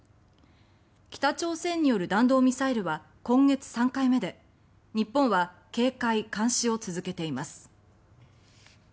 北朝鮮による弾道ミサイルは今月３回目で日本は警戒監視を続けています。